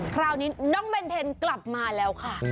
คราวนี้น้องเบนเทนกลับมาแล้วค่ะ